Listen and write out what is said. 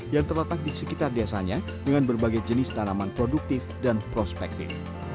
yang terletak di sekitar desanya dengan berbagai jenis tanaman produktif dan prospektif